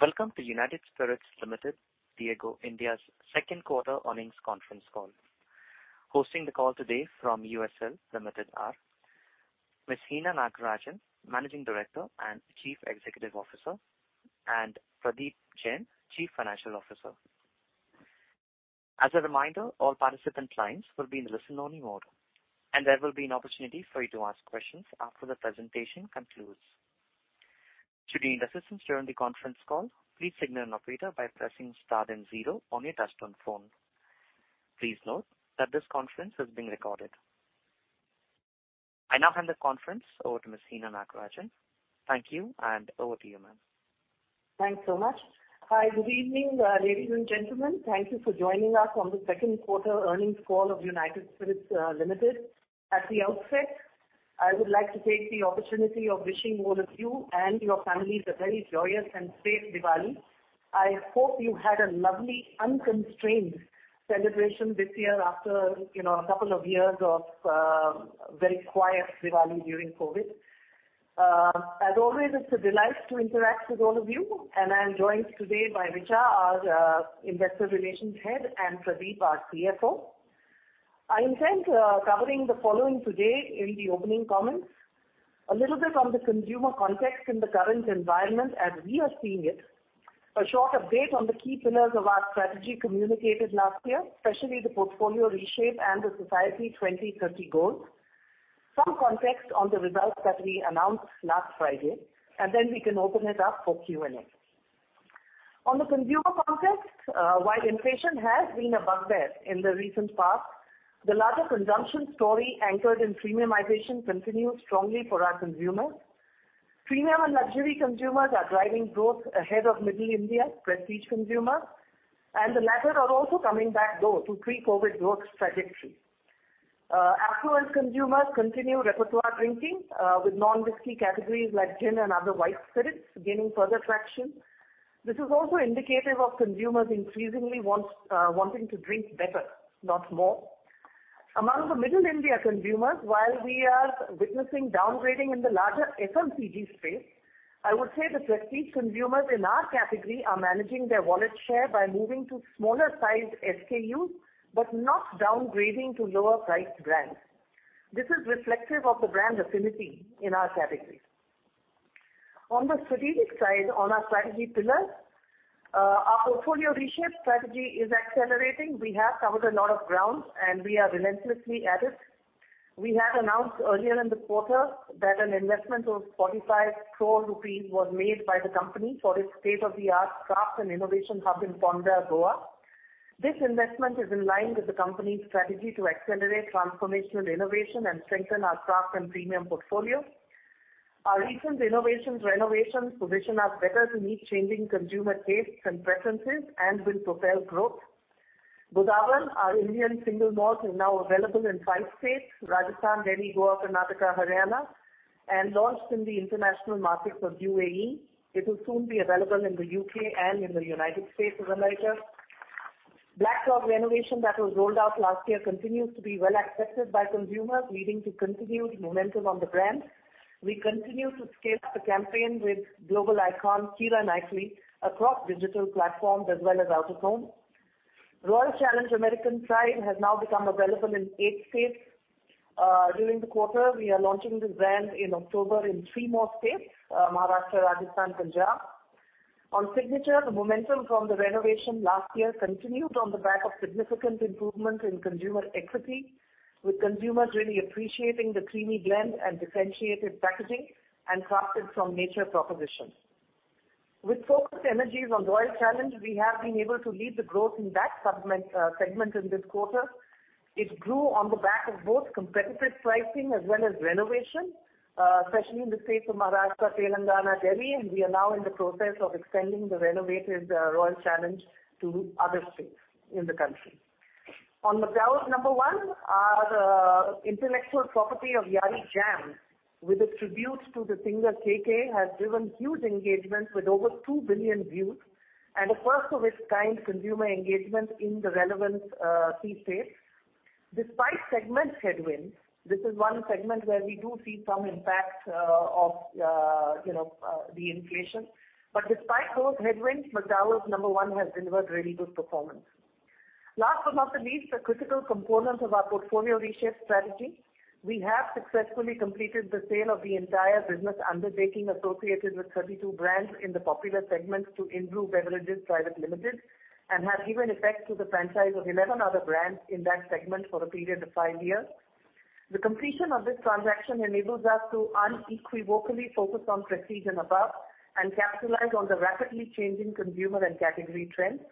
Welcome to United Spirits Limited, Diageo India's second quarter earnings conference call. Hosting the call today from USL Limited are Hina Nagarajan, Managing Director and Chief Executive Officer, and Pradeep Jain, Chief Financial Officer. As a reminder, all participant lines will be in listen-only mode, and there will be an opportunity for you to ask questions after the presentation concludes. Should you need assistance during the conference call, please signal an operator by pressing star then zero on your touchtone phone. Please note that this conference is being recorded. I now hand the conference over to Hina Nagarajan. Thank you, and over to you, ma'am. Thanks so much. Hi, good evening, ladies and gentlemen. Thank you for joining us on the second quarter earnings call of United Spirits, Limited. At the outset, I would like to take the opportunity of wishing all of you and your families a very joyous and safe Diwali. I hope you had a lovely unconstrained celebration this year after, you know, a couple of years of, very quiet Diwali during COVID. As always, it's a delight to interact with all of you, and I'm joined today by Richa, our investor relations head, and Pradeep, our CFO. I intend covering the following today in the opening comments. A little bit on the consumer context in the current environment as we are seeing it. A short update on the key pillars of our strategy communicated last year, especially the portfolio reshape and the Society 2030 goals. Some context on the results that we announced last Friday, and then we can open it up for Q&A. On the consumer context, while inflation has been a bugbear in the recent past, the larger consumption story anchored in premiumization continues strongly for our consumers. Premium and luxury consumers are driving growth ahead of middle India prestige consumers, and the latter are also coming back though to pre-COVID growth trajectory. Affluent consumers continue repertoire drinking, with non-whiskey categories like gin and other white spirits gaining further traction. This is also indicative of consumers increasingly wanting to drink better, not more. Among the middle India consumers, while we are witnessing downgrading in the larger FMCG space, I would say the prestige consumers in our category are managing their wallet share by moving to smaller sized SKUs, but not downgrading to lower priced brands. This is reflective of the brand affinity in our category. On the strategic side, on our strategy pillars, our portfolio reshape strategy is accelerating. We have covered a lot of ground, and we are relentlessly at it. We had announced earlier in the quarter that an investment of 45 crore rupees was made by the company for its state-of-the-art craft and innovation hub in Ponda, Goa. This investment is in line with the company's strategy to accelerate transformational innovation and strengthen our craft and premium portfolio. Our recent innovations and renovations position us better to meet changing consumer tastes and preferences and will propel growth. Godawan, our Indian single malt, is now available in five states, Rajasthan, Delhi, Goa, Karnataka, Haryana, and launched in the international markets of UAE. It will soon be available in the U.K. and in the United States as a liter. Black Dog renovation that was rolled out last year continues to be well accepted by consumers, leading to continued momentum on the brand. We continue to scale up the campaign with global icon Keira Knightley across digital platforms as well as out of home. Royal Challenge American Pride has now become available in eight states. During the quarter, we are launching this brand in October in three more states, Maharashtra, Rajasthan, Punjab. On Signature, the momentum from the renovation last year continued on the back of significant improvement in consumer equity, with consumers really appreciating the creamy blend and differentiated packaging and crafted from nature propositions. With focused energies on Royal Challenge, we have been able to lead the growth in that segment in this quarter. It grew on the back of both competitive pricing as well as renovation, especially in the states of Maharashtra, Telangana, Delhi, and we are now in the process of extending the renovated Royal Challenge to other states in the country. On McDowell's Number One, our intellectual property of Yaari Jam, with its tributes to the singer KK, has driven huge engagement with over 2 billion views and a first of its kind consumer engagement in the relevant C space. Despite segment headwinds, this is one segment where we do see some impact of you know the inflation. Despite those headwinds, McDowell's Number One has delivered really good performance. Last but not the least, a critical component of our portfolio reshape strategy, we have successfully completed the sale of the entire business undertaking associated with 32 brands in the popular segments to Inbrew Beverages Private Limited, and have given effect to the franchise of 11 other brands in that segment for a period of five years. The completion of this transaction ENAbles us to unequivocally focus on Prestige and Above, and capitalize on the rapidly changing consumer and category trends.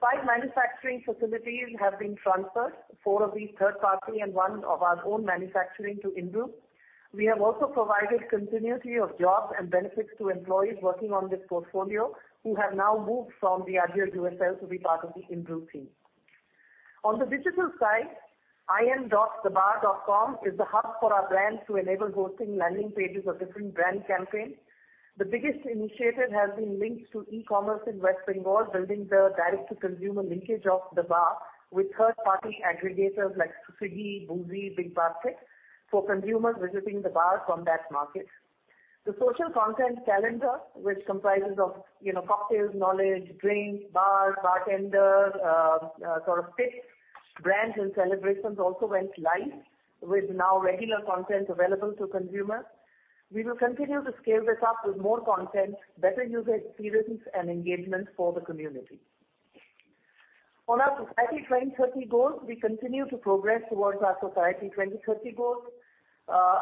Five manufacturing facilities have been transferred, four of these third party and one of our own manufacturing to Inbrew. We have also provided continuity of jobs and benefits to employees working on this portfolio who have now moved from Diageo-USL to be part of the Inbrew team. On the digital side, in.thebar.com is the hub for our brands to ENAble hosting landing pages of different brand campaigns. The biggest initiative has been links to e-commerce in West Bengal, building the direct to consumer linkage of the bar with third-party aggregators like Swiggy, Boozie.in, BigBasket for consumers visiting the bar from that market. The social content calendar, which comprises of, you know, cocktails, knowledge, drinks, bars, bartenders, sort of tips, brands and celebrations also went live with now regular content available to consumers. We will continue to scale this up with more content, better user experience and engagement for the community. On our Society 2030 goals, we continue to progress towards our Society 2030 goals,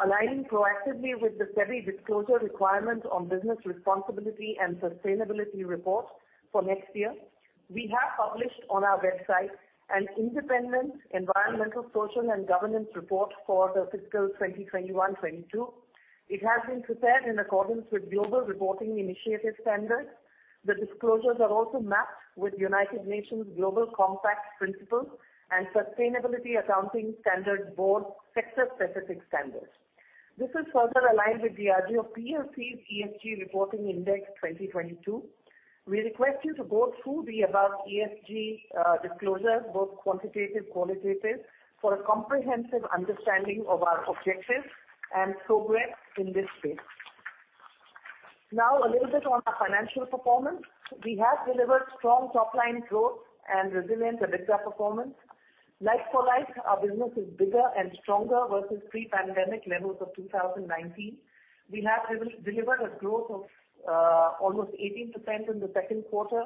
aligning proactively with the SEBI disclosure requirement on business responsibility and sustainability report for next year. We have published on our website an independent environmental, social and governance report for the fiscal 2021-22. It has been prepared in accordance with Global Reporting Initiative Standards. The disclosures are also mapped with United Nations Global Compact principles and Sustainability Accounting Standards Board sector-specific standards. This is further aligned with Diageo plc's ESG Reporting Index 2022. We request you to go through the above ESG disclosures, both quantitative, qualitative, for a comprehensive understanding of our objectives and progress in this space. Now a little bit on our financial performance. We have delivered strong top line growth and resilient EBITDA performance. Like for like, our business is bigger and stronger versus pre-pandemic levels of 2019. We have delivered a growth of almost 18% in the second quarter.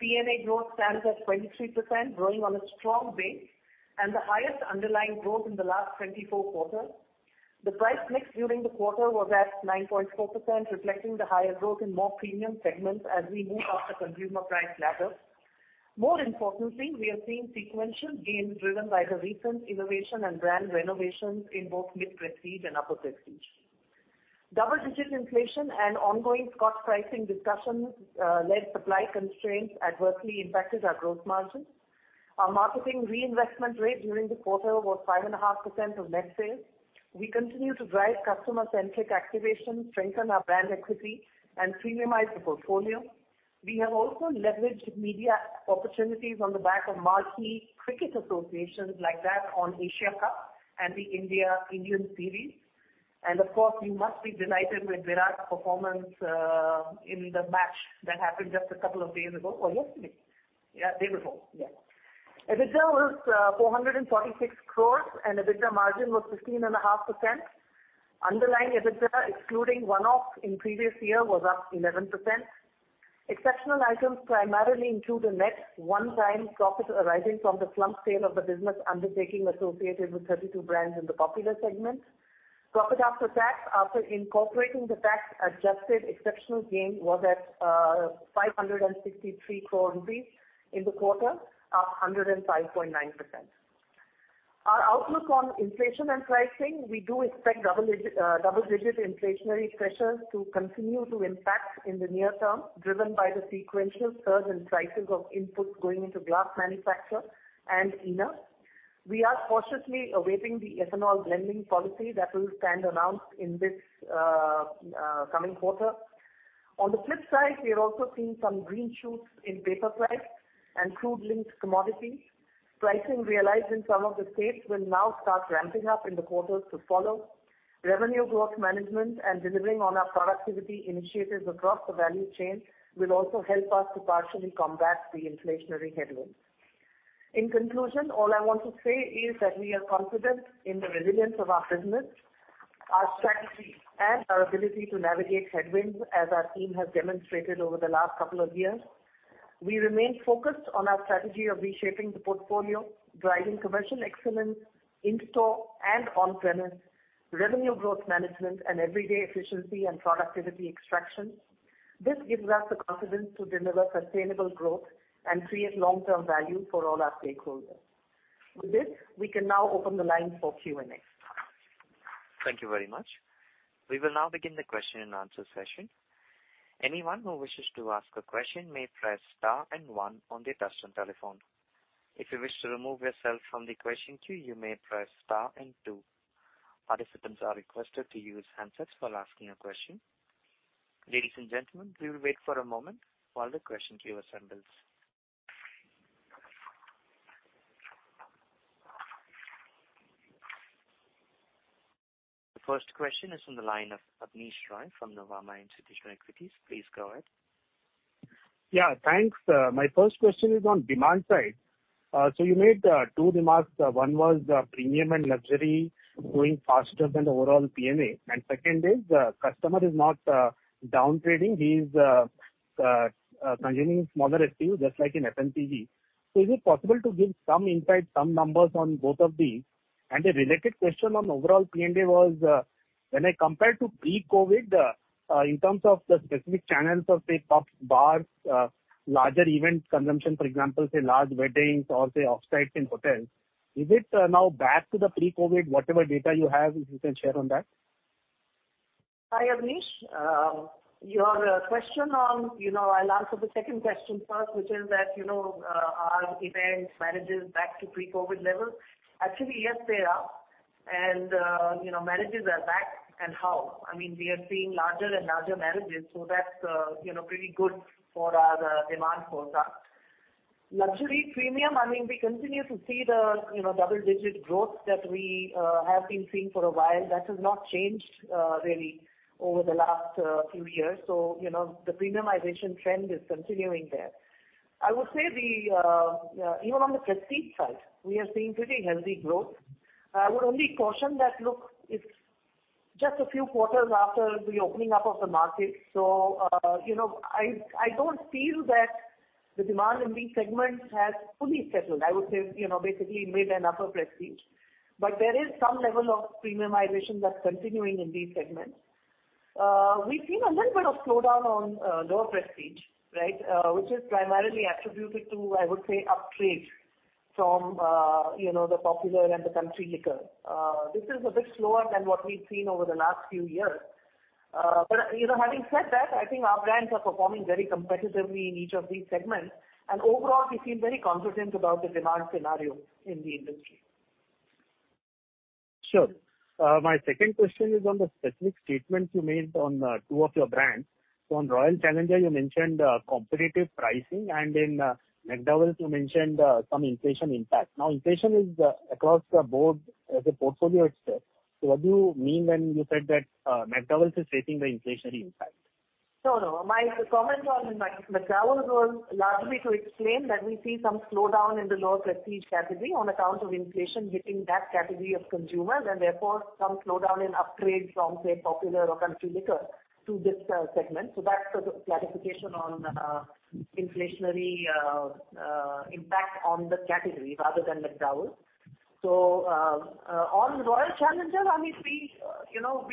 P&A growth stands at 23%, growing on a strong base and the highest underlying growth in the last 24 quarters. The price mix during the quarter was at 9.4%, reflecting the higher growth in more premium segments as we move up the consumer price ladders. More importantly, we are seeing sequential gains driven by the recent innovation and brand renovations in both mid-prestige and upper prestige. Double-digit inflation and ongoing cost pricing discussions led to supply constraints [that] adversely impacted our growth margins. Our marketing reinvestment rate during the quarter was 5.5% of net sales. We continue to drive customer-centric activation, strengthen our brand equity and premiumize the portfolio. We have also leveraged media opportunities on the back of marquee cricket associations like that on Asia Cup and the India-England series. Of course, you must be delighted with Virat's performance in the match that happened just a couple of days ago or yesterday. Yeah, day before. Yeah. EBITDA was 446 crore and EBITDA margin was 15.5%. Underlying EBITDA, excluding one-off in previous year, was up 11%. Exceptional items primarily include a net one-time profit arising from the slump sale of the business undertaking associated with 32 brands in the popular segment. Profit after tax, after incorporating the tax-adjusted exceptional gain, was at 563 crore rupees in the quarter, up 105.9%. Our outlook on inflation and pricing, we do expect double-digit inflationary pressures to continue to impact in the near term, driven by the sequential surge in prices of inputs going into glass manufacture and ENA. We are cautiously awaiting the ethanol blending policy that will stand announced in this coming quarter. On the flip side, we are also seeing some green shoots in paper price and crude-linked commodities. Pricing realized in some of the states will now start ramping up in the quarters to follow. Revenue growth management and delivering on our productivity initiatives across the value chain will also help us to partially combat the inflationary headwinds. In conclusion, all I want to say is that we are confident in the resilience of our business, our strategy, and our ability to navigate headwinds as our team has demonstrated over the last couple of years. We remain focused on our strategy of reshaping the portfolio, driving commercial excellence in-store and on-premise, revenue growth management and everyday efficiency and productivity extraction. This gives us the confidence to deliver sustainable growth and create long-term value for all our stakeholders. With this, we can now open the line for Q&A. Thank you very much. We will now begin the question and answer session. Anyone who wishes to ask a question may press star and one on their touchtone telephone. If you wish to remove yourself from the question queue, you may press star and two. Participants are requested to use handsets while asking a question. Ladies and gentlemen, we will wait for a moment while the question queue assembles. The first question is from the line of Abneesh Roy from Nuvama Institutional Equities. Please go ahead. Yeah, thanks. My first question is on demand side. So you made two remarks. One was premium and luxury growing faster than the overall P&A. Second is the customer is not down trading. He's consuming smaller SKUs just like in FMCG. So is it possible to give some insight, some numbers on both of these? A related question on overall P&A was, when I compare to pre-COVID, in terms of the specific channels of say pubs, bars, larger event consumption, for example, say large weddings or say offsites in hotels, is it now back to the pre-COVID, whatever data you have, if you can share on that? Hi, Abneesh. Your question on, you know, I'll answer the second question first, which is that, you know, are events, marriages back to pre-COVID levels. Actually, yes, they are. You know, marriages are back and how. I mean, we are seeing larger and larger marriages, so that's, you know, pretty good for our demand forecast. Luxury premium, I mean, we continue to see the, you know, double-digit growth that we have been seeing for a while. That has not changed, really over the last few years. So, you know, the premiumization trend is continuing there. I would say even on the prestige side, we are seeing pretty healthy growth. I would only caution that, look, it's just a few quarters after the opening up of the market, so, you know, I don't feel that the demand in these segments has fully settled. I would say, you know, basically mid and upper prestige. There is some level of premiumization that's continuing in these segments. We've seen a little bit of slowdown on lower prestige, right, which is primarily attributed to, I would say, upgrades from, you know, the popular and the country liquor. This is a bit slower than what we've seen over the last few years. You know, having said that, I think our brands are performing very competitively in each of these segments. Overall, we feel very confident about the demand scENArio in the industry. Sure. My second question is on the specific statement you made on two of your brands. On Royal Challenge, you mentioned competitive pricing, and in McDowell's you mentioned some inflation impact. Now, inflation is across the board as a portfolio itself. What do you mean when you said that McDowell's is facing the inflationary impact? No, no. My comment on McDowell's was largely to explain that we see some slowdown in the lower prestige category on account of inflation hitting that category of consumers, and therefore some slowdown in upgrades from, say, popular or country liquor to this segment. That's the clarification on inflationary impact on the category rather than McDowell's. On Royal Challenge, I mean, we, you know,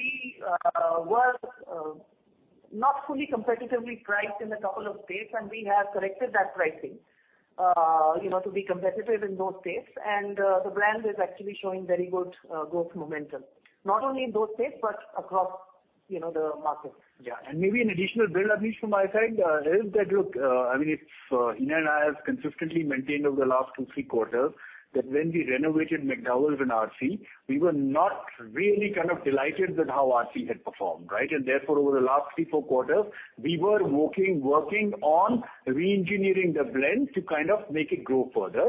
were not fully competitively priced in a couple of states, and we have corrected that pricing, you know, to be competitive in those states. The brand is actually showing very good growth momentum, not only in those states, but across, you know, the market. Yeah. Maybe an additional build, Abneesh, from my side, is that, look, I mean, it's ENA and I have consistently maintained over the last two, three quarters that when we renovated McDowell's and RC, we were not really kind of delighted with how RC had performed, right? Therefore, over the last three, four quarters, we were working on reengineering the blend to kind of make it grow further.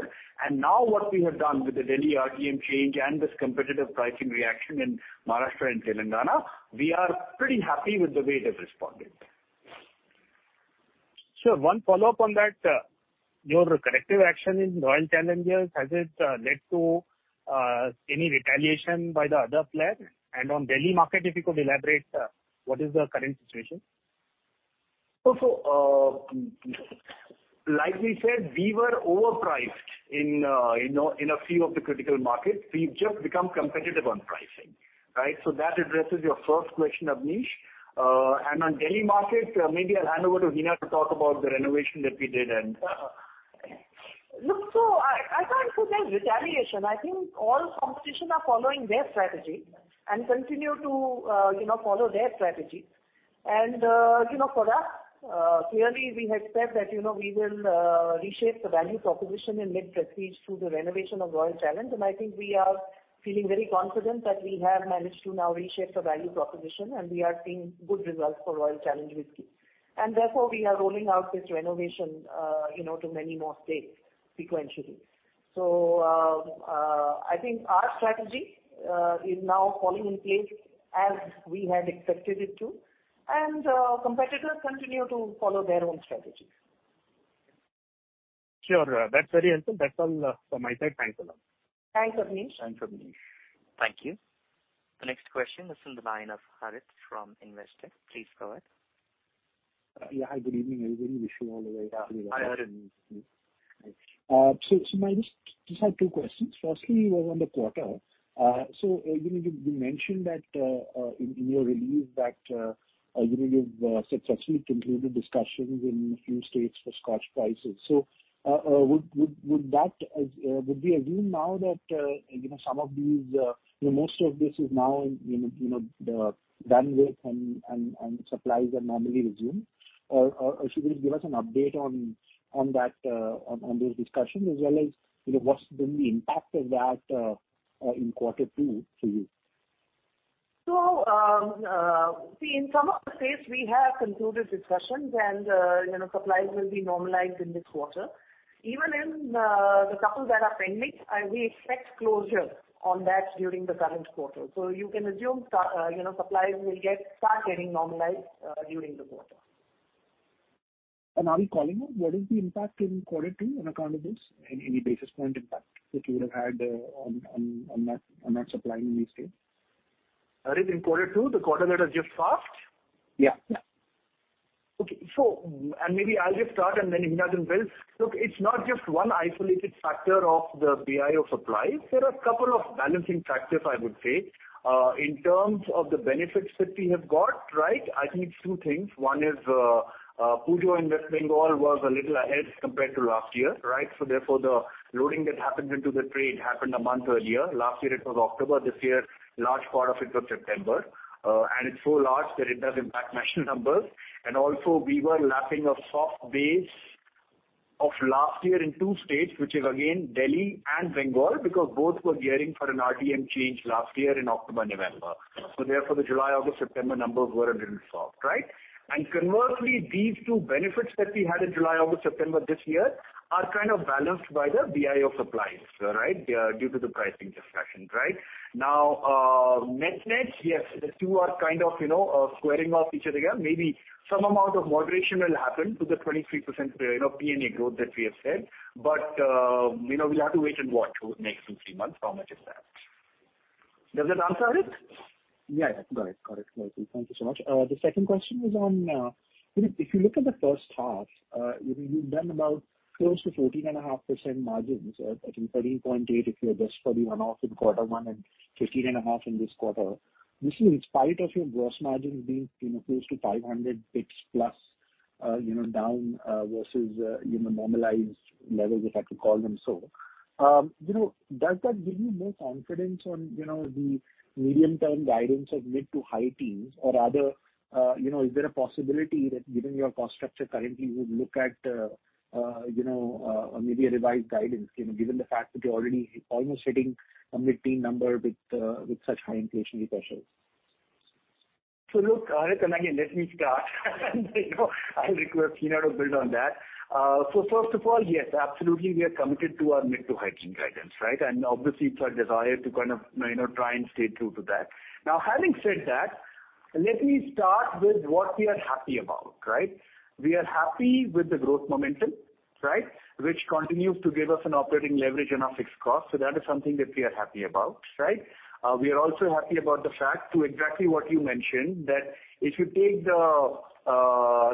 Now what we have done with the Delhi RTM change and this competitive pricing reaction in Maharashtra and Telangana, we are pretty happy with the way it has responded. Sure. One follow-up on that. Your corrective action in Royal Challenge, has it led to any retaliation by the other player? On Delhi market, if you could elaborate, what is the current situation? Like we said, we were overpriced in you know, in a few of the critical markets. We've just become competitive on pricing, right? That addresses your first question, Abneesh. On Delhi market, maybe I'll hand over to ENA to talk about the renovation that we did and. Look, I can't say there's retaliation. I think all competitors are following their strategy and continue to, you know, follow their strategy. You know, for us, clearly we had said that, you know, we will reshape the value proposition in mid-prestige through the renovation of Royal Challenge, and I think we are feeling very confident that we have managed to now reshape the value proposition, and we are seeing good results for Royal Challenge whisky. Therefore, we are rolling out this renovation, you know, to many more states sequentially. I think our strategy is now falling in place as we had expected it to, and competitors continue to follow their own strategies. Sure. That's very helpful. That's all, from my side. Thanks a lot. Thanks, Abneesh. Thanks, Abneesh. Thank you. The next question is from the line of Harit from Investec. Please go ahead. Yeah. Hi, good evening, everybody. Wishing you all a very happy Diwali. Yeah. Hi, Harit. Just have two questions. First was on the quarter. You know, you mentioned that in your release that you know, you've successfully concluded discussions in a few states for Scotch prices. Would we assume now that you know, some of these you know, most of this is now in, you know, done with and supplies have normally resumed? Should you give us an update on that, on those discussions, as well as, you know, what's been the impact of that in quarter two for you? In some of the states we have concluded discussions and, you know, supplies will be normalized in this quarter. Even in the couple that are pending, we expect closure on that during the current quarter. You can assume, you know, supplies will start getting normalized during the quarter. Are we calling it? What is the impact in quarter two on account of this? Any basis point impact that you would have had on that supply in these states? Harit, in quarter two, the quarter that has just passed? Yeah. Maybe I'll just start and then ENA can build. Look, it's not just one isolated factor of the bio supply. There are a couple of balancing factors, I would say. In terms of the benefits that we have got, right, I think it's two things. One is, Puja and West Bengal was a little ahead compared to last year, right? Therefore, the loading that happens into the trade happened a month earlier. Last year it was October. This year, large part of it was September. And it's so large that it does impact national numbers. Also, we were lapping a soft base of last year in two states, which is again Delhi and Bengal, because both were gearing for an RDM change last year in October, November. Therefore the July, August, September numbers were a little soft, right? Conversely, these two benefits that we had in July, August, September this year are kind of balanced by the ENA supplies, right? Due to the pricing discussions, right? Now, net-net, yes, the two are kind of, you know, squaring off each other. Maybe some amount of moderation will happen to the 23% P&A growth that we have said. But, you know, we'll have to wait and watch over the next two-three months how much is that. Does that answer, Harit? Yeah. Got it. Thank you so much. The second question was on if you look at the first half, you've done about close to 14.5% margins. I think 13.8 if you adjust for the one-off in quarter one and 15.5 in this quarter. This is in spite of your gross margins being, you know, close to 500 BPS plus, you know, down versus, you know, normalized levels, if I could call them so. You know, does that give you more confidence on, you know, the medium-term guidance of mid- to high teens% or rather, you know, is there a possibility that given your cost structure currently you would look at, you know, maybe a revised guidance, you know, given the fact that you're already almost hitting a mid-teens number with such high inflationary pressures? Look, Harit, again, let me start and, you know, I'll request ENA to build on that. First of all, yes, absolutely, we are committed to our mid to high teen guidance, right? Obviously it's our desire to kind of, you know, try and stay true to that. Now, having said that, let me start with what we are happy about, right? We are happy with the growth momentum, right? Which continues to give us an operating leverage on our fixed costs. That is something that we are happy about, right? We are also happy about the fact, too, exactly what you mentioned, that if you take the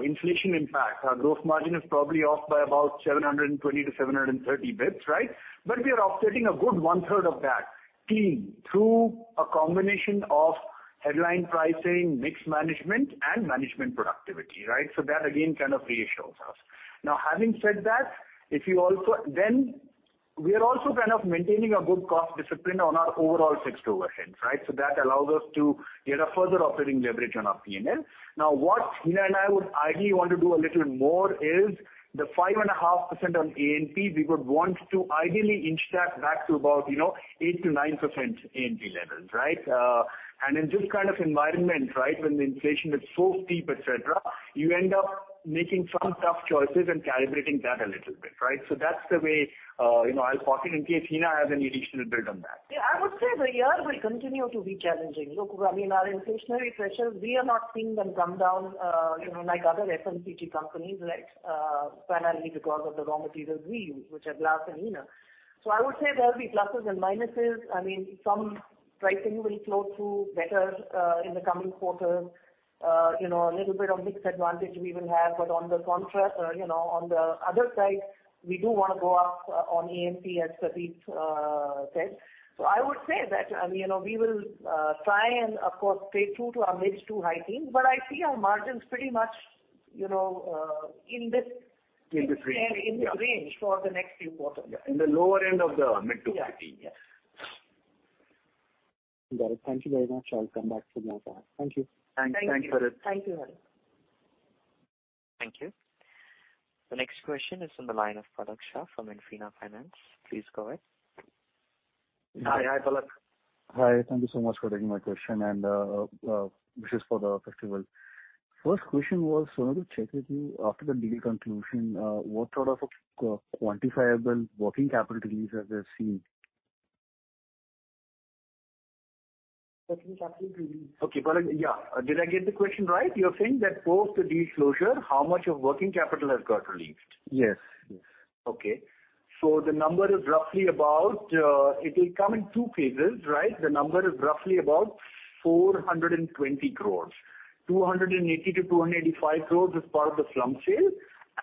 inflation impact, our growth margin is probably off by about 720-730 BPS, right? We are offsetting a good one third of that time through a combination of headline pricing, mix management and management productivity, right? That again kind of reassures us. Now, having said that, we are also kind of maintaining a good cost discipline on our overall fixed overheads, right? That allows us to get a further operating leverage on our P&L. Now what ENA and I would ideally want to do a little more is the 5.5% on A&P. We would want to ideally inch that back to about, you know, 8%-9% A&P levels, right? And in this kind of environment, right, when the inflation is so steep, et cetera, you end up making some tough choices and calibrating that a little bit, right? That's the way, you know, I'll pause here in case ENA has any additional build on that. Yeah, I would say the year will continue to be challenging. Look, I mean, our inflationary pressures, we are not seeing them come down, you know, like other FMCG companies, right? Primarily because of the raw materials we use, which are glass and ENA. I would say there will be pluses and minuses. I mean, some pricing will flow through better in the coming quarters. You know, a little bit of mix advantage we will have. But on the other side, we do want to go up on A&P, as Pradeep said. I would say that, you know, we will try and of course stay true to our mid- to high-teens %, but I see our margins pretty much, you know, in this. In the range. In this range for the next few quarters. Yeah. In the lower end of the mid- to high-teens. Yeah. Yes. Got it. Thank you very much. I'll come back soon after. Thank you. Thanks. Thanks, Harit. Thank you, Harit. Thank you. The next question is on the line of Palak Shah from Infina Finance. Please go ahead. Hi. Hi, Palak. Hi. Thank you so much for taking my question and wishes for the festival. First question, I wanted to check with you after the deal conclusion, what sort of a quantifiable working capital release have you seen? Working capital release. Okay, Palak, yeah. Did I get the question right? You're saying that post the deal closure, how much of working capital has got released? Yes. Yes. The number is roughly about. It will come in two phases, right? The number is roughly about 420 crore. 280 crore-285 crore is part of the slump sale.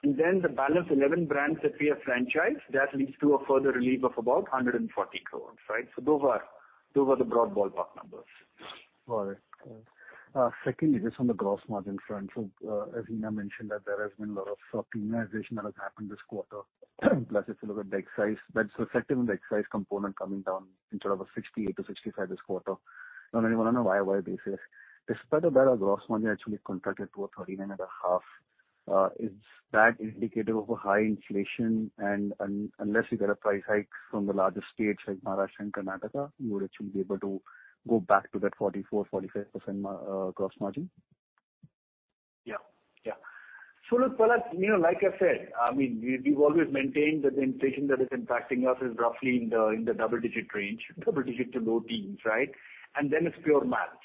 The balance 11 brands that we have franchised, that leads to a further relief of about 140 crore, right? Those are the broad ballpark numbers. All right, cool. Secondly, just on the gross margin front. As ENA mentioned, there has been a lot of optimization that has happened this quarter. Plus, if you look at the excise, that's reflected in the excise component coming down instead of a 68-65 this quarter on a YOY basis. Despite that, our gross margin actually contracted to 13.5%. Is that indicative of high inflation and unless you get a price hike from the larger states like Maharashtra and Karnataka, you would actually be able to go back to that 44%-45% gross margin? Look, Palak, you know, like I said, I mean, we've always maintained that the inflation that is impacting us is roughly in the double digit range, double digit to low teens, right? It's pure math, right?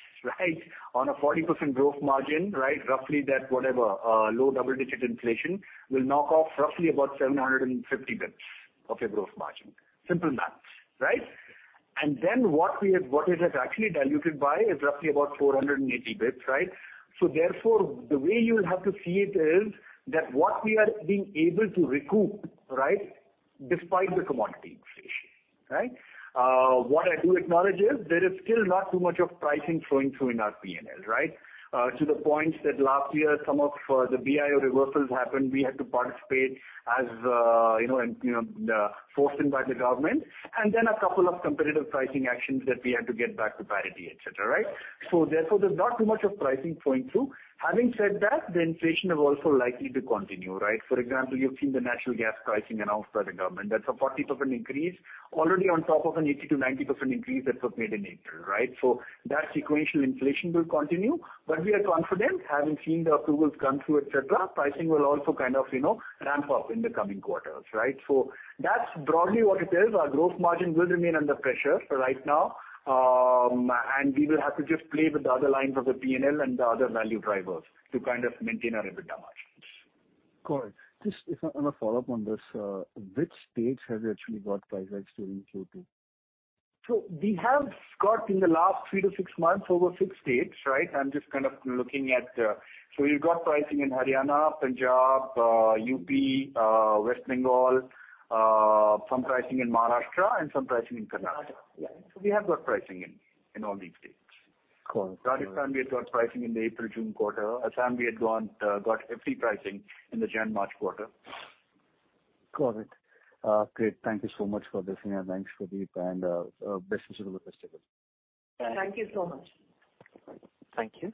On a 40% growth margin, right, roughly that whatever, low double digit inflation will knock off roughly about 750 BPS of your growth margin. Simple math, right? What it has actually diluted by is roughly about 480 BPS, right? The way you will have to see it is that what we are being able to recoup, right, despite the commodity inflation, right. What I do acknowledge is there is still not too much of pricing flowing through in our P&L, right? To the point that last year some of the Bioethanol reversals happened, we had to participate as you know, forced in by the government. A couple of competitive pricing actions that we had to get back to parity, et cetera, right? Therefore, there's not too much of pricing flowing through. Having said that, the inflation is also likely to continue, right? For example, you've seen the natural gas pricing announced by the government. That's a 40% increase already on top of an 80%-90% increase that was made in April, right? That sequential inflation will continue. We are confident, having seen the approvals come through, et cetera, pricing will also kind of, you know, ramp up in the coming quarters, right? That's broadly what it is. Our growth margin will remain under pressure right now. We will have to just play with the other lines of the P&L and the other value drivers to kind of maintain our EBITDA margins. Got it. Just if I'm going to follow up on this. Which states have you actually got price hikes during Q2? We have got in the last three-six months over six states, right? I'm just kind of looking at, we've got pricing in Haryana, Punjab, UP, West Bengal, some pricing in Maharashtra and some pricing in Karnataka. Karnataka. Yeah. We have got pricing in all these states. Got it. Rajasthan, we have got pricing in the April-June quarter. Assam, we had got FE pricing in the Jan-March quarter. Got it. Great. Thank you so much for this, ENA. Thanks, Pradeep. Best wishes for the festival. Thank you. Thank you so much. Thank you. Thank you.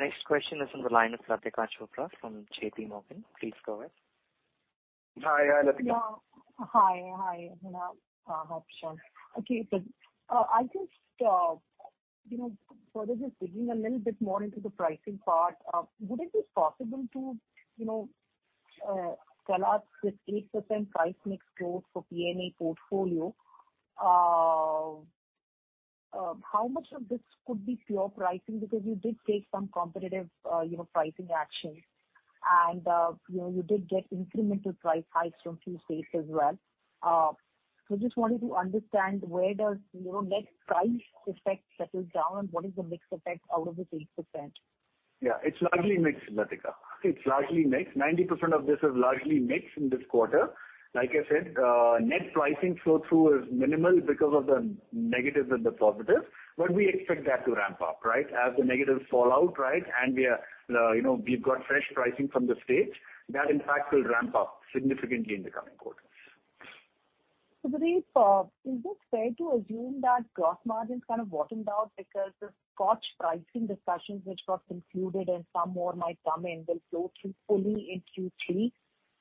Next question is on the line of Latika Chopra from J.P. Morgan. Please go ahead. Hi. Hi, Latika. Yeah. Hi. Hi, Abneesh. Hi, Pradeep. I just, you know, further just digging a little bit more into the pricing part, would it be possible to, you know, tell us with 8% price mix growth for P&A portfolio, how much of this could be pure pricing? Because you did take some competitive, you know, pricing actions and, you know, you did get incremental price hikes from few states as well. Just wanted to understand where does, you know, net price effect settle down? What is the mix effect out of this 8%? Yeah. It's largely mixed, Latika. 90% of this is largely mixed in this quarter. Like I said, net pricing flow through is minimal because of the negatives and the positives, but we expect that to ramp up, right? As the negatives fall out, right, and we've got fresh pricing from the states, that in fact will ramp up significantly in the coming quarters. Pradeep, is it fair to assume that gross margins kind of bottomed out because the scotch pricing discussions which got concluded and some more might come in will flow through fully in Q3,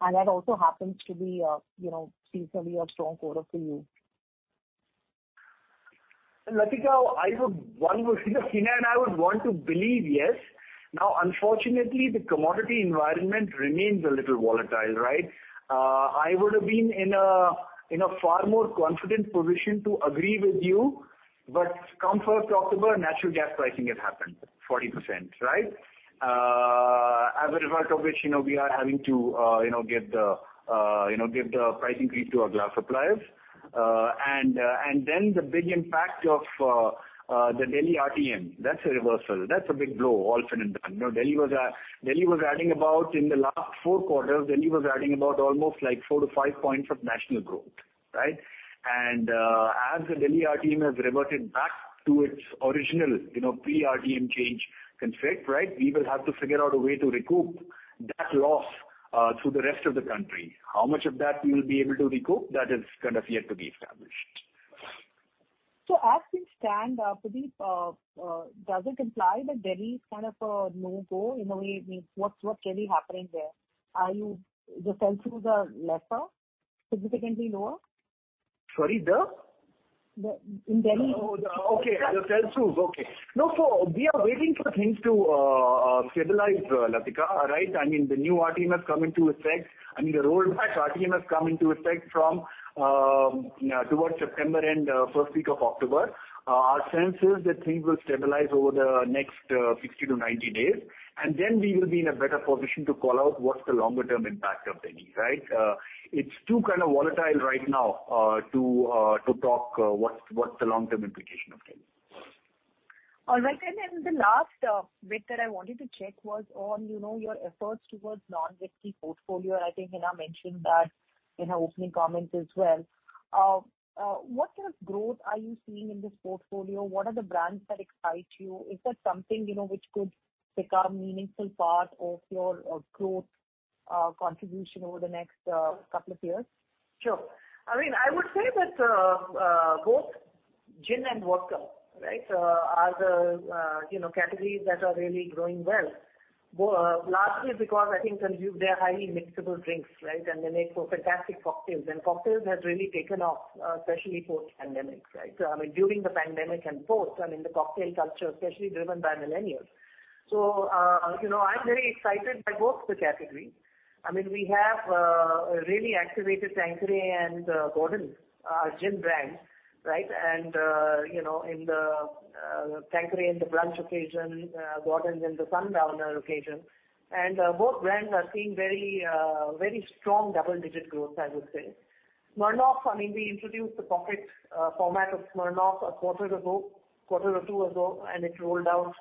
and that also happens to be, you know, seasonally a strong quarter for you? Latika, ENA, and one would want to believe yes. Now, unfortunately, the commodity environment remains a little volatile, right? I would have been in a far more confident position to agree with you, but come 1st October, natural gas pricing has increased 40%, right? As a result of which, you know, we are having to give the price increase to our glass suppliers. Then the big impact of the Delhi RTM, that's a reversal. That's a big blow all said and done. You know, Delhi was adding about almost four-five points of national growth in the last four quarters, right? As the Delhi RTM has reverted back to its original, you know, pre-RTM change config, right, we will have to figure out a way to recoup that loss, through the rest of the country. How much of that we will be able to recoup, that is kind of yet to be established. As things stand, Pradeep, does it imply that Delhi is kind of a no-go in a way? I mean, what's really happening there? Are the sell-throughs lesser, significantly lower? Sorry, the? In Delhi. Oh, okay. The sell-throughs. Okay. No, we are waiting for things to stabilize, Latika, right? I mean, the rolled back RTM has come into effect from towards September and first week of October. Our sense is that things will stabilize over the next 60-90 days, and then we will be in a better position to call out what's the longer term impact of Delhi, right? It's too kind of volatile right now to talk what's the long term implication of Delhi. All right. The last bit that I wanted to check was on, you know, your efforts towards non-whiskey portfolio. I think ENA mentioned that in her opening comments as well. What kind of growth are you seeing in this portfolio? What are the brands that excite you? Is that something, you know, which could become meaningful part of your growth contribution over the next couple of years? Sure. I mean, I would say that both gin and vodka, right, are the you know categories that are really growing well. Largely because I think they're highly mixable drinks, right? They make for fantastic cocktails. Cocktails has really taken off, especially post-pandemic, right? I mean, during the pandemic and post, I mean, the cocktail culture, especially driven by millennials. You know, I'm very excited by both the category. I mean, we have really activated Tanqueray and Gordon's gin brands, right? You know, in the Tanqueray in the brunch occasion, Gordon's in the sundowner occasion. Both brands are seeing very, very strong double-digit growth, I would say. Smirnoff, I mean, we introduced the pocket format of Smirnoff a quarter or two ago, and it rolled out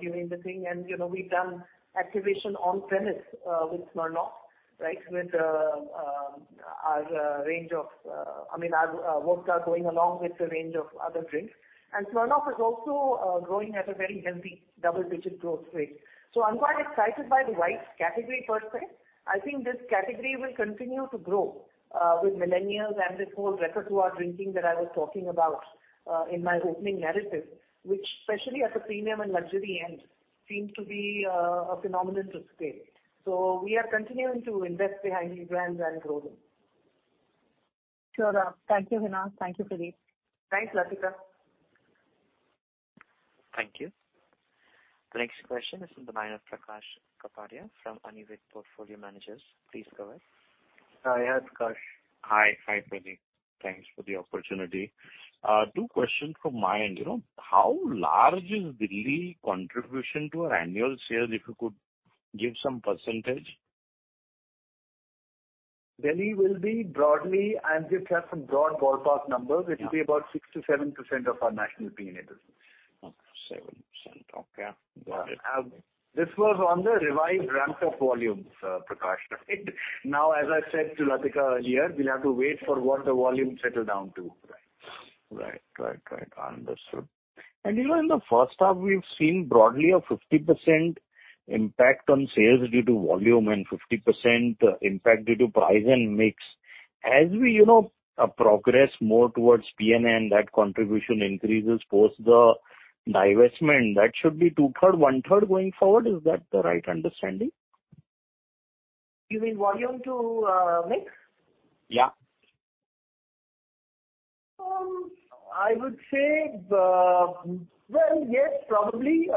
during the thing. You know, we've done activation on-premise with Smirnoff, right, with our range of, I mean, our vodka going along with a range of other drinks. Smirnoff is also growing at a very healthy double-digit growth rate. I'm quite excited by the whites category per se. I think this category will continue to grow with millennials and this whole ready-to-drink that I was talking about in my opening narrative, which especially at the premium and luxury end seems to be a phenomenon to stay. We are continuing to invest behind these brands and grow them. Sure. Thank you, ENA. Thank you, Pradeep. Thanks, Latika. Thank you. The next question is in the line of Kash from Anived Portfolio Managers. Please go ahead. Hi. Yeah, it's Kash. Hi. Hi, Pradeep. Thanks for the opportunity. 2 questions from my end. You know, how large is Delhi contribution to our annual sales, if you could give some percentage? Delhi will be broadly, I just have some broad ballpark numbers. Yeah. It will be about 6%-7% of our national P&A business. 7%. Okay. Got it. This was on the revised ramp-up volumes, Prakash, right? Now, as I said to Latika earlier, we'll have to wait for what the volume settle down to. Right. Understood. You know, in the first half, we've seen broadly a 50% impact on sales due to volume and 50% impact due to price and mix. As we, you know, progress more towards P&A, that contribution increases post the divestment, that should be two-thirds, one-third going forward. Is that the right understanding? You mean volume to mix? Yeah. I would say. Well, yes, probably.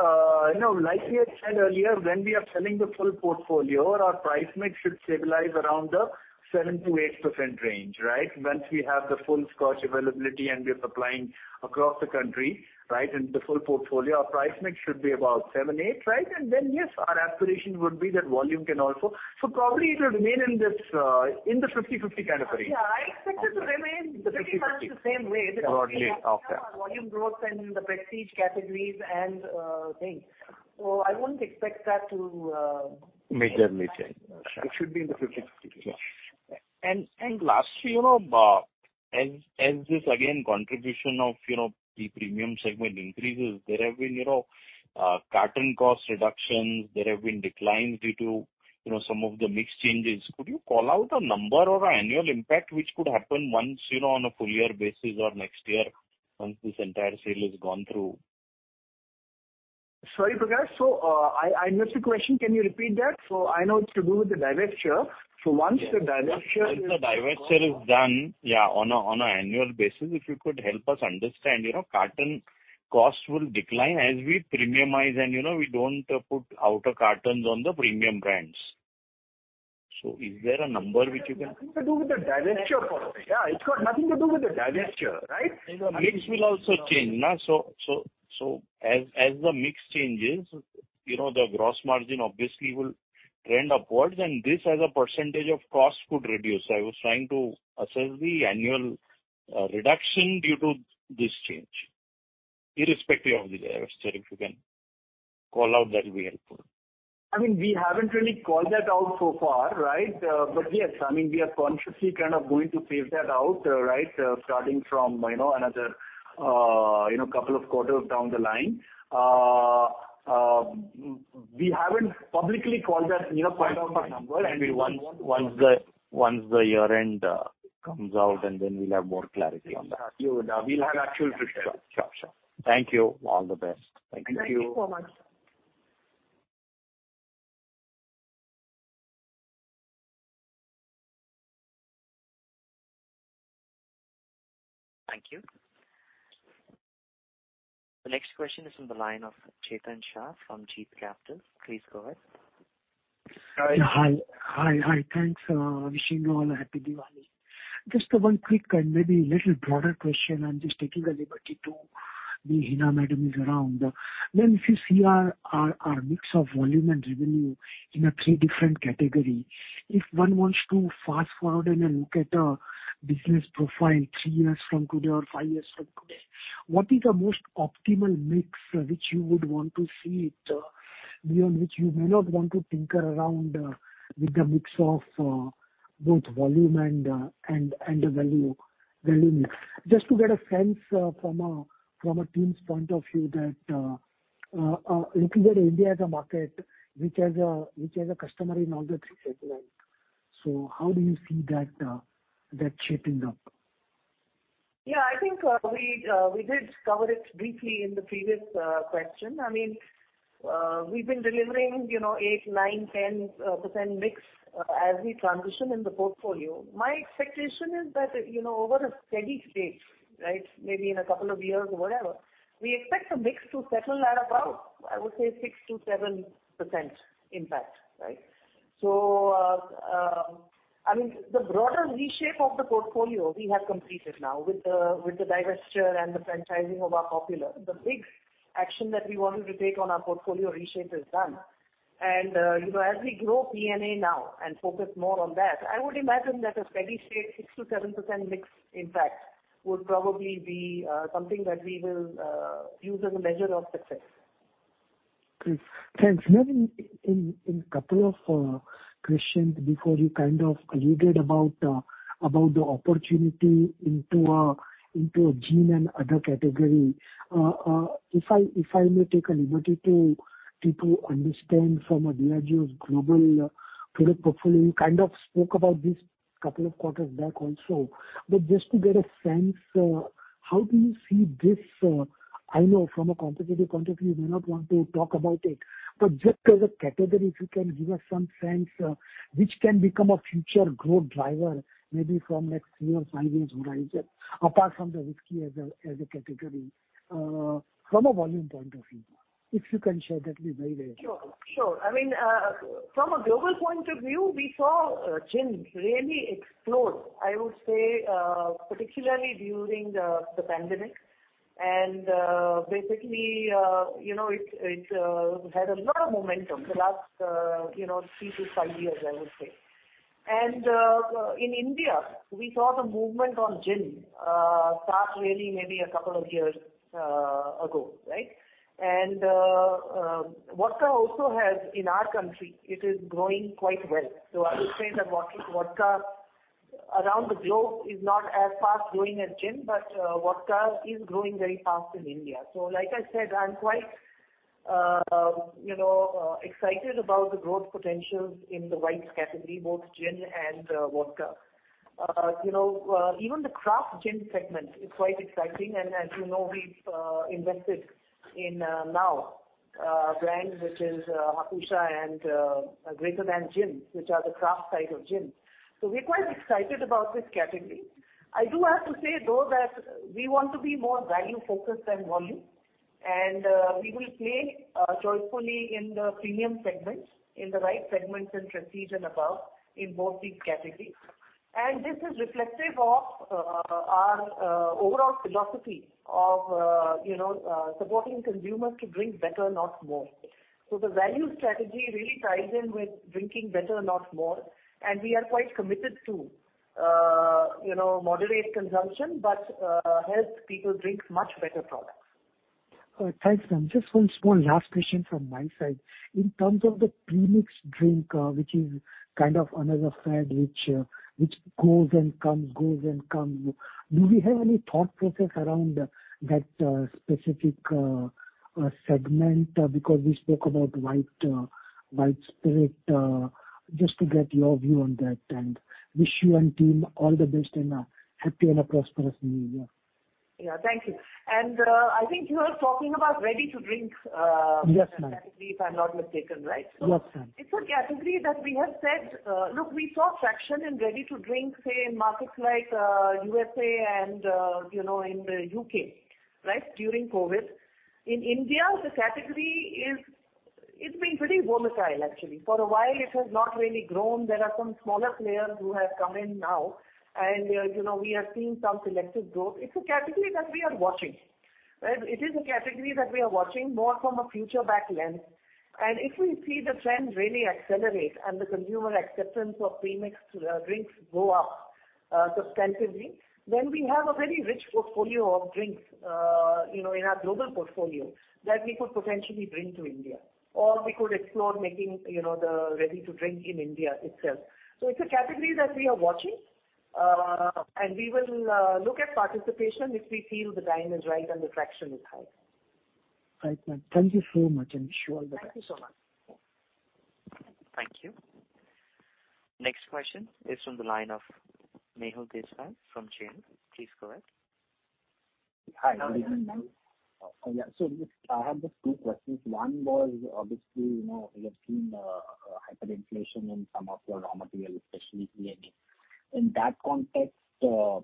You know, like we had said earlier, when we are selling the full portfolio, our price mix should stabilize around the 7%-8% range, right? Once we have the full Scotch availability and we're supplying across the country, right, and the full portfolio, our price mix should be about seven-eight, right? And then, yes, our aspiration would be that volume can also. Probably it'll remain in this, in the 50-50 kind of range. Yeah. I expect it to remain. Okay. Pretty much the same way. Broadly. Okay. Because we have our volume growth in the prestige categories and things. I wouldn't expect that to Majorly change. Okay. It should be in the 50/50 range. Lastly, you know, as this, again, contribution of the premium segment increases, there have been, you know, carton cost reductions. There have been declines due to, you know, some of the mix changes. Could you call out a number or annual impact which could happen once, you know, on a full year basis or next year once this entire sale has gone through? Sorry, Prakash. I missed the question. Can you repeat that? I know it's to do with the divestiture. Once the divestiture Once the divestiture is done, yeah, on an annual basis, if you could help us understand, you know, carton costs will decline as we premiumize and, you know, we don't put outer cartons on the premium brands. Is there a number which you can- Nothing to do with the divestiture. Yeah, it's got nothing to do with the divestiture, right? Mix will also change. As the mix changes, you know, the gross margin obviously will trend upwards, and this as a percentage of cost could reduce. I was trying to assess the annual reduction due to this change, irrespective of the divestiture. If you can call out, that'll be helpful. I mean, we haven't really called that out so far, right? Yes, I mean, we are consciously kind of going to phase that out, right, starting from, you know, another, you know, couple of quarters down the line. We haven't publicly called that out, you know, point out that number. I mean, once the year-end comes out and then we'll have more clarity on that. Sure. We'll have actuals to share. Sure. Thank you. All the best. Thank you. Thank you so much. Thank you. The next question is in the line of Chetan Shah from Jeet Capital. Please go ahead. Hi. Hi. Thanks. Wishing you all a happy Diwali. Just one quick and maybe a little broader question. I'm just taking the liberty to... The ENA madam is around. When we see our mix of volume and revenue in three different categories, if one wants to fast-forward and then look at a business profile three years from today or five years from today, what is the most optimal mix which you would want to see it, beyond which you may not want to tinker around, with the mix of both volume and the value mix? Just to get a sense, from a team's point of view that, looking at India as a market which has a customer in all three segments. How do you see that shaping up? Yeah, I think we did cover it briefly in the previous question. I mean, we've been delivering, you know, eight, nine, 10% mix as we transition in the portfolio. My expectation is that, you know, over a steady state, right, maybe in a couple of years or whatever, we expect the mix to settle at about, I would say, 6%-7% impact, right? I mean, the broader reshape of the portfolio we have completed now with the divestiture and the franchising of our popular. The big action that we wanted to take on our portfolio reshape is done. You know, as we grow P&A now and focus more on that, I would imagine that a steady state 6%-7% mix impact would probably be something that we will use as a measure of success. Great. Thanks. Now in a couple of questions before you kind of alluded about the opportunity into a gin and other category. If I may take a liberty to understand from a Diageo's global product portfolio, you kind of spoke about this couple of quarters back also. Just to get a sense, how do you see this. I know from a competitive point of view, you may not want to talk about it, but just as a category, if you can give us some sense, which can become a future growth driver, maybe from next three or five years horizon, apart from the whiskey as a category, from a volume point of view. If you can share, that'll be very, very helpful. Sure. I mean, from a global point of view, we saw gin really explode, I would say, particularly during the pandemic. Basically, you know, it had a lot of momentum the last three to five years, I would say. In India, we saw the movement on gin start really maybe a couple of years ago, right? Vodka also has in our country, it is growing quite well. I would say that vodka around the globe is not as fast-growing as gin, but vodka is growing very fast in India. Like I said, I'm quite, you know, excited about the growth potentials in the whites category, both gin and vodka. You know, even the craft gin segment is quite exciting, and as you know, we've invested in new brands which are Hapusa and Greater Than gin, which are the craft side of gin. We're quite excited about this category. I do have to say though that we want to be more value-focused than volume. We will play joyfully in the premium segments, in the right segments in Prestige and Above in both these categories. This is reflective of our overall philosophy of you know supporting consumers to drink better, not more. The value strategy really ties in with drinking better, not more. We are quite committed to you know moderate consumption, but help people drink much better products. Thanks, ma'am. Just one small last question from my side. In terms of the premixed drink, which is kind of another fad which goes and comes, do we have any thought process around that specific segment? Because we spoke about white spirit. Just to get your view on that. Wish you and team all the best and a happy and a prosperous new year. Yeah, thank you. I think you were talking about ready-to-drink category. Yes, ma'am. If I'm not mistaken, right? Yes, ma'am. It's a category that we have said. Look, we saw traction in ready-to-drink, say, in markets like, USA and, you know, in the U.K., right? During COVID. In India, the category is. It's been pretty volatile actually. For a while, it has not really grown. There are some smaller players who have come in now. You know, we have seen some selective growth. It's a category that we are watching, right? It is a category that we are watching more from a future back lens. If we see the trend really accelerate and the consumer acceptance of premixed, drinks go up, substantively, then we have a very rich portfolio of drinks, you know, in our global portfolio that we could potentially bring to India, or we could explore making, you know, the ready-to-drink in India itself. It's a category that we are watching, and we will look at participation if we feel the time is right and the traction is high. Right, ma'am. Thank you so much, and wish you all the best. Thank you so much. Thank you. Next question is from the line of Mehul Deshpande from JM Financial. Please go ahead. Hello. Hi. Good evening, ma'am. I have just two questions. One was obviously, you know, you have seen hyperinflation in some of your raw materials, especially P&A. In that context, how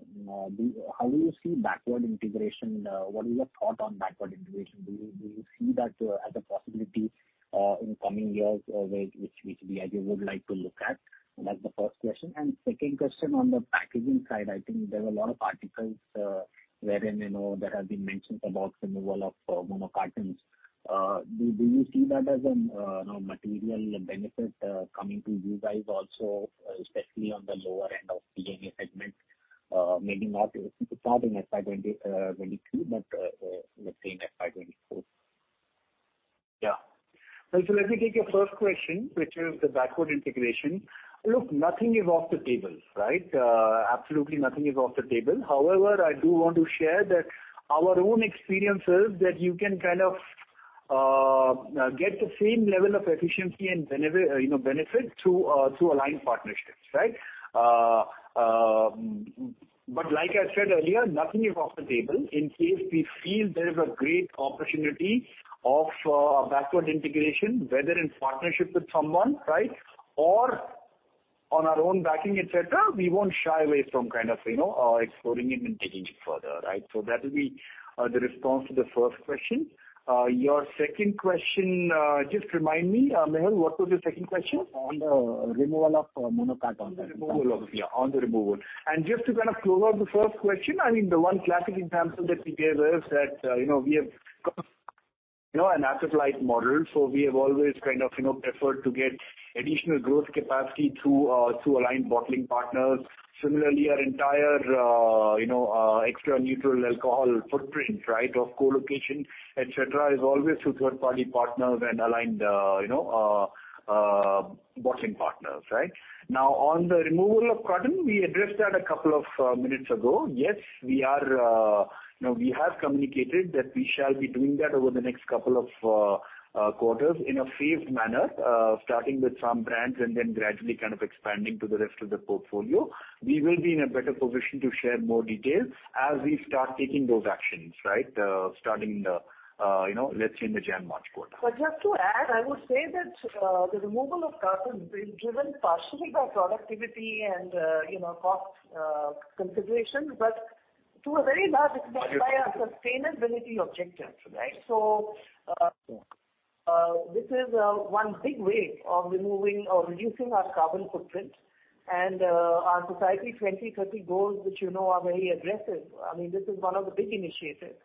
do you see backward integration? What is your thought on backward integration? Do you see that as a possibility in coming years, which Diageo would like to look at? That's the first question. Second question on the packaging side, I think there were a lot of articles, wherein, you know, there have been mentions about removal of mono cartons. Do you see that as a material benefit coming to you guys also, especially on the lower end of P&A segment? Maybe not in FY 2022, but let's say in FY 2024. Yeah. Let me take your first question, which is the backward integration. Look, nothing is off the table, right? Absolutely nothing is off the table. However, I do want to share that our own experience is that you can kind of get the same level of efficiency and, you know, benefit through aligned partnerships, right? But like I said earlier, nothing is off the table. In case we feel there is a great opportunity of backward integration, whether in partnership with someone, right, or on our own backing, et cetera, we won't shy away from kind of, you know, exploring it and taking it further, right? That will be the response to the first question. Your second question, just remind me, Mehul, what was your second question? On the removal of mono cartons. Removal of. Yeah, on the removal. Just to kind of close out the first question, I mean, the one classic example that we gave is that, you know, we have got. You know, an asset-light model. We have always kind of, you know, preferred to get additional growth capacity through aligned bottling partners. Similarly, our entire, you know, Extra Neutral Alcohol footprint, right, of co-location, et cetera, is always through third-party partners and aligned, you know, bottling partners, right? Now, on the removal of carton, we addressed that a couple of minutes ago. Yes, we are. You know, we have communicated that we shall be doing that over the next couple of quarters in a phased manner, starting with some brands and then gradually kind of expanding to the rest of the portfolio. We will be in a better position to share more details as we start taking those actions, right? Starting in the January-March quarter. I would say that the removal of carton is being driven partially by productivity and you know cost considerations but to a very large extent by our sustainability objectives right? This is one big way of removing or reducing our carbon footprint and our Society 2030 goals which you know are very aggressive. I mean this is one of the big initiatives.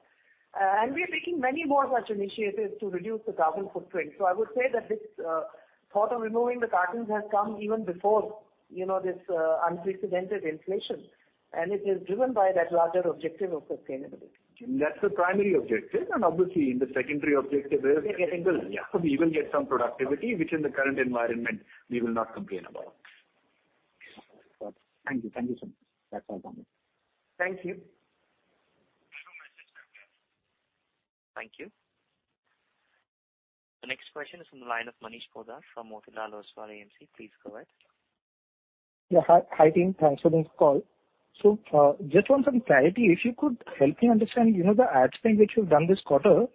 We are taking many more such initiatives to reduce the carbon footprint. I would say that this thought of removing the cartons has come even before you know this unprecedented inflation and it is driven by that larger objective of sustainability. That's the primary objective, and obviously the secondary objective is yeah, we will get some productivity, which in the current environment we will not complain about. Thank you. Thank you, sir. That's all from me. Thank you. No message found. Thank you. The next question is from the line of Manish Poddar from Motilal Oswal AMC. Please go ahead. Yeah, hi, team. Thanks for this call. Just want some clarity. If you could help me understand, you know, the ad spend which you've done this quarter,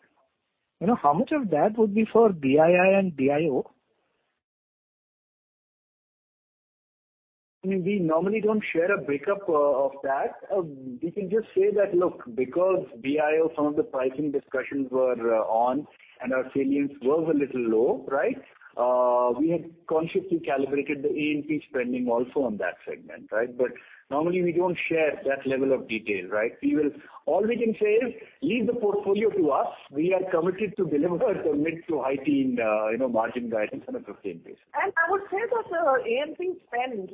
you know, how much of that would be for DIL and Diageo? I mean, we normally don't share a breakup of that. We can just say that, look, because Diageo, some of the pricing discussions were ongoing and our salience was a little low, right? We had consciously calibrated the A&P spending also on that segment, right? Normally we don't share that level of detail, right? All we can say is, leave the portfolio to us. We are committed to deliver and commit to high-teens, you know, margin guidance on a 15 basis. I would say that the A&P spend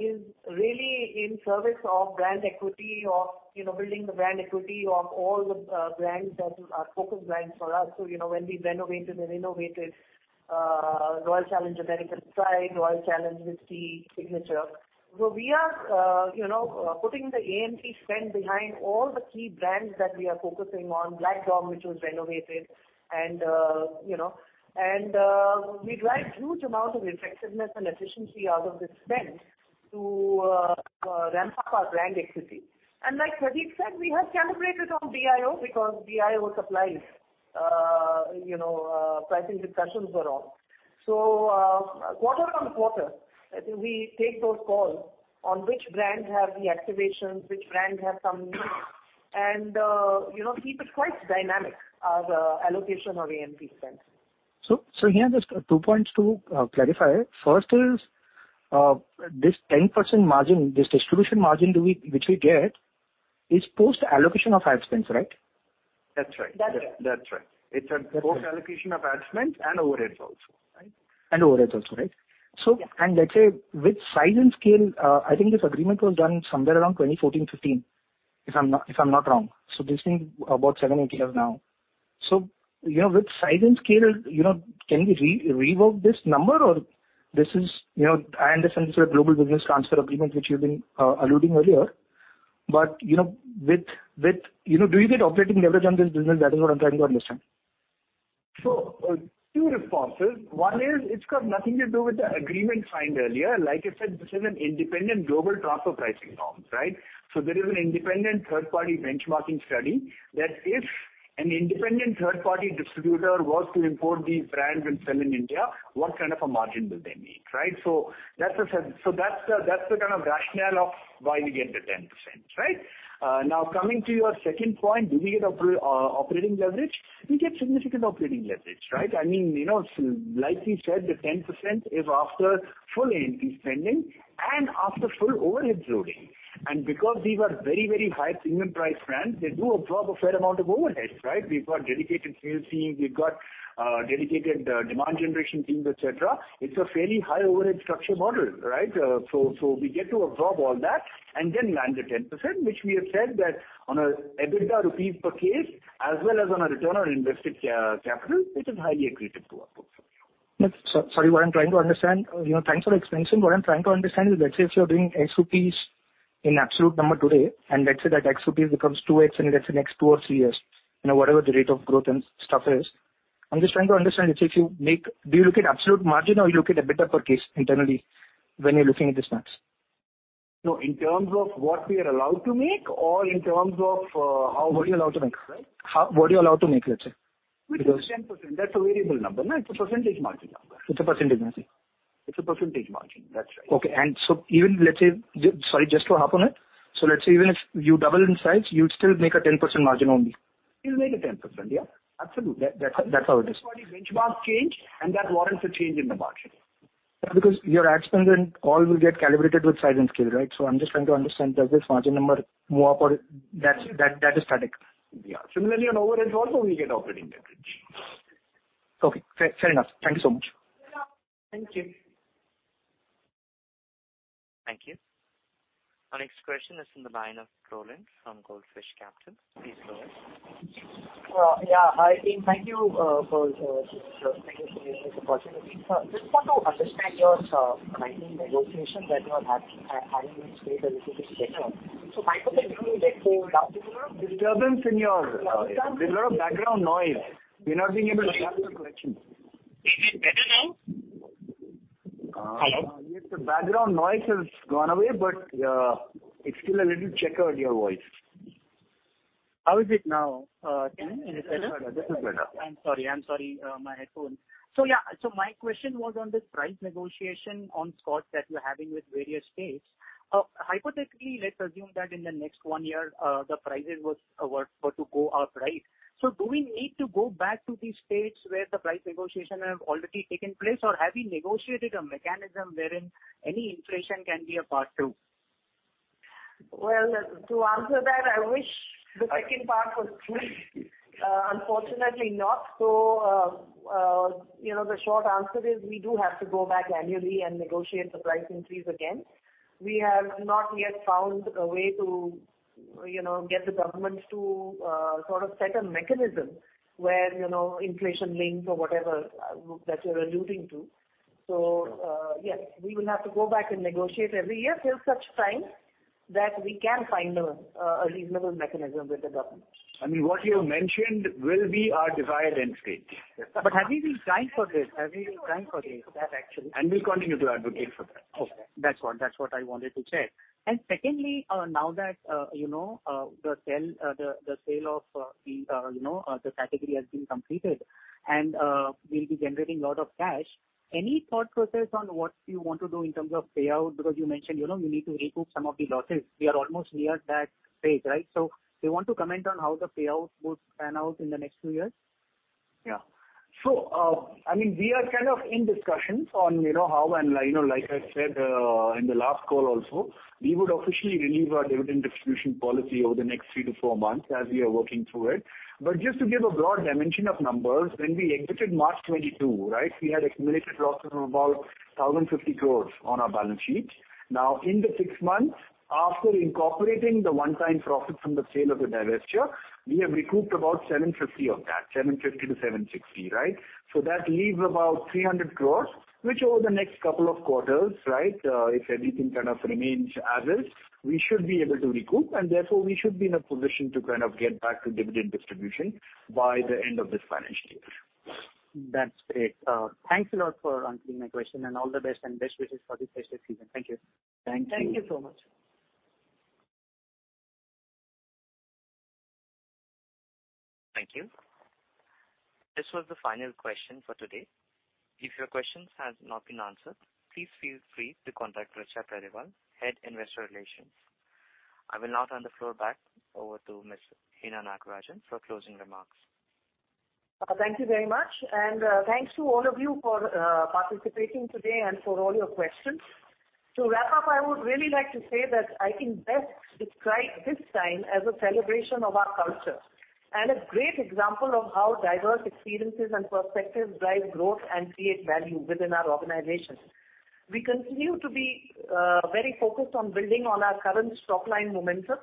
is really in service of brand equity of, you know, building the brand equity of all the brands that are focus brands for us. You know, when we renovated and innovated Royal Challenge American Pride, Royal Challenge Signature. We are, you know, putting the A&P spend behind all the key brands that we are focusing on. Black Dog, which was renovated and, you know. We derive huge amount of effectiveness and efficiency out of this spend to ramp up our brand equity. Like Pradeep Jain said, we have calibrated on Diageo because Diageo supplies, you know, pricing discussions were on. Quarter-over-quarter, I think we take those calls on which brand have the activations, which brand have some and, you know, keep it quite dynamic as allocation of A&P spends. Here just two points to clarify. First is this 10% margin, this distribution margin which we get is post allocation of ad spends, right? That's right. That's right. That's right. It's a post allocation of ad spends and overheads also, right? overheads also, right? Yeah. Let's say with size and scale, I think this agreement was done somewhere around 2014-15, if I'm not wrong. This means about seven-eight years now. You know, with size and scale, you know, can we rework this number? Or this is. You know, I understand it's a global business transfer agreement which you've been alluding earlier. You know, with. You know, do you get operating leverage on this business? That is what I'm trying to understand. Two responses. One is, it's got nothing to do with the agreement signed earlier. Like I said, this is an independent global transfer pricing norm, right? There is an independent third party benchmarking study that if an independent third party distributor was to import these brands and sell in India, what kind of a margin will they make, right? That's the kind of rationale of why we get the 10%, right? Now coming to your second point, do we get operating leverage? We get significant operating leverage, right? I mean, you know, like we said, the 10% is after full A&P spending and after full overheads loading. Because these are very, very high premium priced brands, they do absorb a fair amount of overheads, right? We've got dedicated sales team, we've got dedicated demand generation teams, et cetera. It's a fairly high overhead structure model, right? We get to absorb all that and then land the 10%, which we have said that on a EBITDA rupees per case as well as on a return on invested capital, it is highly accretive to our portfolio. Sorry, what I'm trying to understand. You know, thanks for the explanation. What I'm trying to understand is, let's say if you're doing X UPCs in absolute number today, and let's say that X UPCs becomes 2 X in, let's say, next two or three years. You know, whatever the rate of growth and stuff is. I'm just trying to understand if you make. Do you look at absolute margin or you look at EBITDA per case internally when you're looking at these numbers? No, in terms of what we are allowed to make or in terms of how. What you're allowed to make. Right. What you're allowed to make, let's say. Because Which is 10%. That's a variable number, no? It's a percentage margin number. It's a percentage margin. It's a percentage margin. That's right. Okay. Sorry, just to hop on it. Let's say even if you double in size, you'd still make a 10% margin only. We'll make 10%. Yeah, absolutely. That's how it is. Third-party benchmarks change, and that warrants a change in the margin. Because your ad spend and all will get calibrated with size and scale, right? I'm just trying to understand, does this margin number move up or that is static. Yeah. Similarly, on overheads also we get operating leverage. Okay. Fair enough. Thank you so much. Thank you. Thank you. Our next question is from the line of Rohan from Goldman Sachs. Please go ahead. I thank you for this opportunity. I just want to understand your pricing negotiations that you are having with state and central. Hypothetically Disturbance in your- Loud? There's a lot of background noise. We're not being able to hear your question. Is it better now? Hello? Yes, the background noise has gone away, but it's still a little checkered, your voice. How is it now, can you hear me? Is it better? This is better. My question was on this price negotiation on scotch that you're having with various states. Hypothetically, let's assume that in the next one year, the prices were to go up, right? Do we need to go back to the states where the price negotiation have already taken place? Or have you negotiated a mechanism wherein any inflation can be a part too? Well, to answer that, I wish the second part was true. Unfortunately not. You know, the short answer is we do have to go back annually and negotiate the price increase again. We have not yet found a way to, you know, get the governments to, sort of set a mechanism where, you know, inflation links or whatever that you're alluding to. Yes, we will have to go back and negotiate every year till such time that we can find a reasonable mechanism with the government. I mean, what you have mentioned will be our desired end state. Have we been trying for this? We'll continue to advocate for that. Okay. That's what I wanted to check. Secondly, now that you know the sale of the category has been completed and we'll be generating a lot of cash. Any thought process on what you want to do in terms of payout? Because you mentioned you know you need to recoup some of the losses. We are almost near that phase, right? Do you want to comment on how the payout would pan out in the next two years? Yeah. I mean, we are kind of in discussions on, you know, how and, you know, like I said, in the last call also, we would officially renew our dividend distribution policy over the next three-four months as we are working through it. Just to give a broad dimension of numbers, when we exited March 2022, right, we had accumulated losses of about 1,050 crores on our balance sheet. Now, in the six months after incorporating the one-time profit from the sale of the divestiture, we have recouped about 750 of that, 750-760, right? That leaves about 300 crore, which over the next couple of quarters, right, if everything kind of remains as is, we should be able to recoup, and therefore we should be in a position to kind of get back to dividend distribution by the end of this financial year. That's great. Thanks a lot for answering my question and all the best and best wishes for this festive season. Thank you. Thank you. Thank you so much. Thank you. This was the final question for today. If your questions have not been answered, please feel free to contact Richa Parewal, Head of Investor Relations. I will now turn the floor back over to Ms. ENA Nagarajan for closing remarks. Thank you very much, and thanks to all of you for participating today and for all your questions. To wrap up, I would really like to say that I can best describe this time as a celebration of our culture and a great example of how diverse experiences and perspectives drive growth and create value within our organization. We continue to be very focused on building on our current top-line momentum.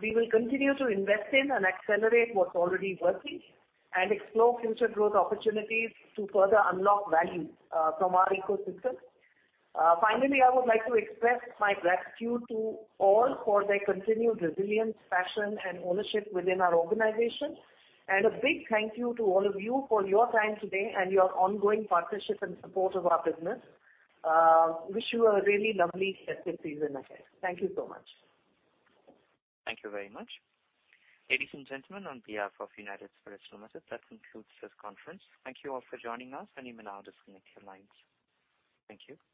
We will continue to invest in and accelerate what's already working and explore future growth opportunities to further unlock value from our ecosystem. Finally, I would like to express my gratitude to all for their continued resilience, passion and ownership within our organization. A big thank you to all of you for your time today and your ongoing partnership and support of our business. Wish you a really lovely festive season ahead. Thank you so much. Thank you very much. Ladies and gentlemen, on behalf of United Spirits Limited, that concludes this conference. Thank you all for joining us and you may now disconnect your lines. Thank you.